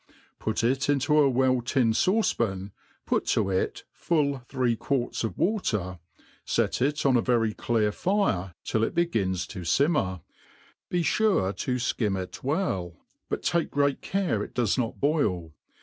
put it into a well tinned fauce pan, put to it full three quarts of water, fet it on a very clear fire till it begins to £inmer; be fure io flcim it well, but take great care it docs not boil.